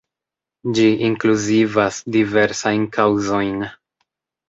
Ĝi inkluzivas diversajn kaŭzojn.